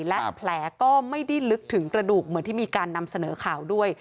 และแผลก็ไม่ได้ลึกถึงกระดูกเหมือนที่มีการนำเสนอข่าวด้วย